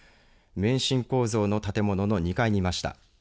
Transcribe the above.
免震構造の建物の２階にいました。